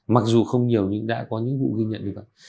mặc dù không nhiều nhưng đã có những vụ ghi nhận như vậy